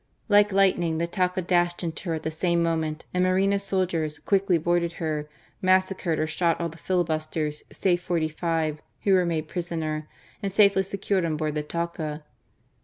Like lightning, the Talca dashed into her at the same moment and Moreno's soldiers quickly board* ing her, massacred or shot all the fiUbusters save forty five, who were made prisoners and safely secured on board the Talca.